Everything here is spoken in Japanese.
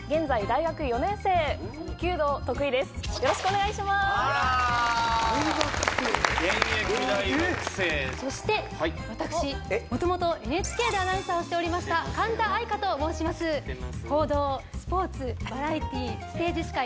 大学生そして私もともとＮＨＫでアナウンサーをしておりました神田愛花と申します報道スポーツバラエティーステージ司会